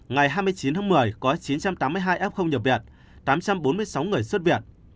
ngày hai mươi chín tháng một mươi có chín trăm tám mươi hai f nhập viện tám trăm bốn mươi sáu người xuất viện